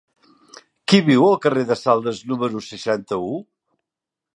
Qui viu al carrer de Saldes número seixanta-u?